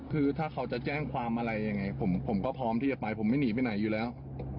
คือถ้าเขาจะแจ้งความอะไรยังไงผมก็พร้อมที่จะไปผมไม่หนีไปไหนอยู่แล้ว